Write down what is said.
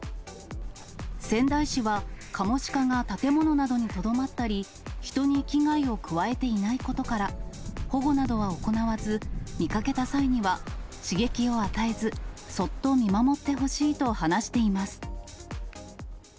仙台市は、カモシカが建物などにとどまったり、人に危害を加えていないことから、保護などは行わず、見かけた際には、刺激を与えず、そっと見守ってほしいと話しています。